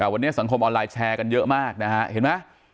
แต่วันนี้สังคมออนไลน์แชร์กันเยอะมากนะฮะเห็นไหม